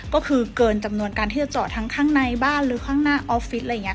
ก็คือเกินจำนวนการที่จะจอดทั้งข้างในบ้านหรือข้างหน้าออฟฟิศอะไรอย่างนี้ค่ะ